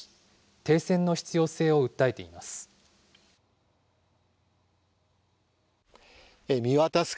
停戦の必要性を訴えています。